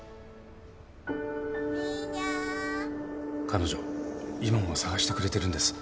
彼女今も捜してくれてるんです